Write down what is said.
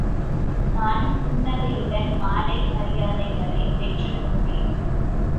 நானும் புன்னகையுடன் மாலை மரியாதைகளைப் பெற்றுக் கொண்டேன்.